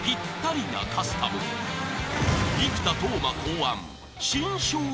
［生田斗真考案］